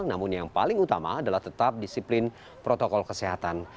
namun yang paling utama adalah tetap disiplin protokol kesehatan